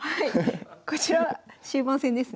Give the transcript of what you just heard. こちらは終盤戦ですね。